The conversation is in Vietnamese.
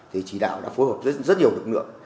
thì chỉ đạo đã phối hợp rất nhiều lực lượng